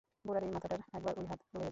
বুড়ার এই মাথাটায় একবার ঐ হাত বুলাইয়া দে।